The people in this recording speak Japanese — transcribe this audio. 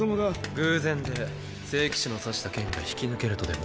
偶然で聖騎士の刺した剣が引き抜けるとでも？